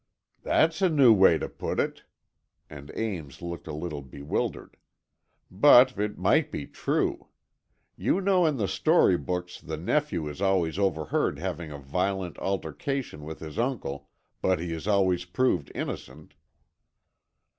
"That's a new way to put it!" and Ames looked a little bewildered. "But it might be true. You know in the story books the nephew is always overheard having a violent altercation with his uncle, but he is always proved innocent."